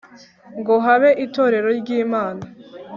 ngo habe itorero ry'imana